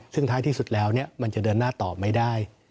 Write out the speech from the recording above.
ซึ่งท้ายที่สุดแล้วมันจะเดินหน้าต่อไม่ได้